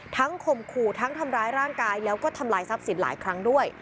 ข่มขู่ทั้งทำร้ายร่างกายแล้วก็ทำลายทรัพย์สินหลายครั้งด้วย